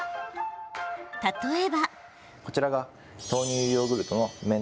例えば。